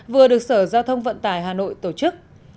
vừa được sở giao thông vận tải hà nội tổ chức